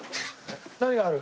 何がある？